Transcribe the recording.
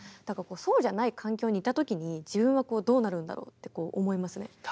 だからそうじゃない環境にいたときに自分はどうなるんだろうって思いますね。